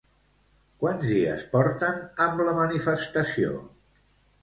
Quants dies porten amb la manifestació?